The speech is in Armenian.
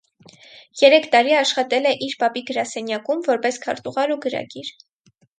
Երեք տարի աշխատել է իր պապի գրասենյակում՝ որպես քարտուղար ու գրագիր։